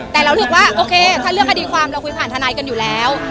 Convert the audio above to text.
แต่เรารู้สึกว่าโอเคถ้าเรื่องคดีความเราคุยผ่านทนายกันอยู่แล้ว